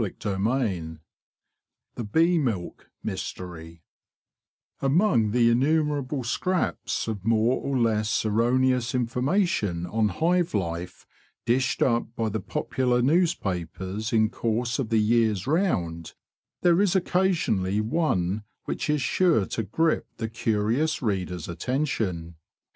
CHAPTER XXIX THE BEE MILK MYSTERY AMONG the innumerable scraps of more or less erroneous information on hive life, dished up by the popular newspapers in course of the year's round, there is occasionally one which is sure to grip the curious reader's attention.